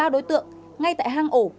ba đối tượng ngay tại hang ổ